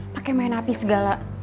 pakai main api segala